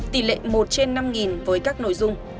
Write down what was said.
tỷ lệ một trên năm với các nội dung